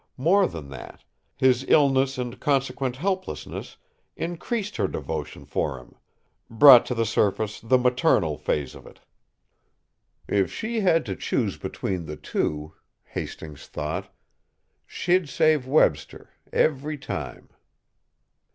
More than that: his illness and consequent helplessness increased her devotion for him, brought to the surface the maternal phase of it. "If she had to choose between the two," Hastings thought, "she'd save Webster every time!"